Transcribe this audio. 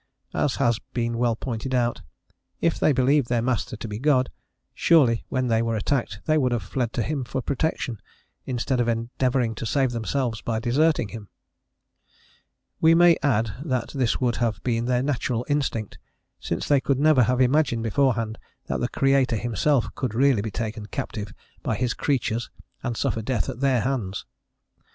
As has been well pointed out, if they believed their Master to be God, surely when they were attacked they would have fled to him for protection, instead of endeavouring to save themselves by deserting him: we may add that this would have been their natural instinct, since they could never have imagined beforehand that the Creator Himself could really be taken captive by His creatures and suffer death at their hands.